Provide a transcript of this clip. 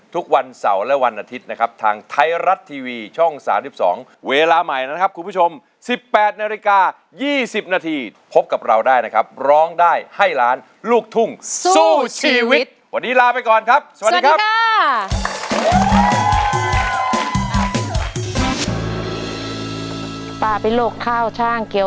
ตัวที่ช่วยได้แน่คือข้ามเพลงนี้ไปเลย